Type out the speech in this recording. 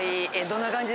どんな感じ？